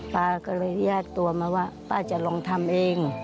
ป้าก็เลยแยกตัวมาว่าป้าจะลองทำเอง